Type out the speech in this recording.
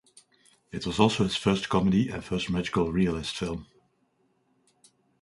It was also his first comedy and first magical realist film.